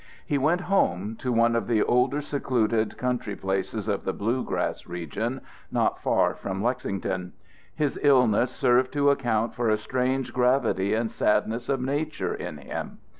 He went home to one of the older secluded country places of the Blue grass Region not far from Lexington. His illness served to account for a strange gravity and sadness of nature in him.